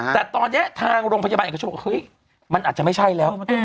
แต่ตอนนี้ทางโรงพยาบาลเอกชนบอกเฮ้ยมันอาจจะไม่ใช่แล้ว